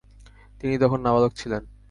তিনি তখন নাবালক ছিলেন।